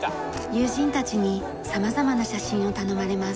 友人たちに様々な写真を頼まれます。